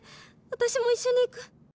私も一緒に逝く！」。